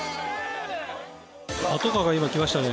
パトカーが今、来ましたね。